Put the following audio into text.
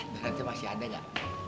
berarti masih ada gak